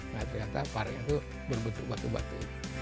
ternyata parknya itu berbentuk batu batu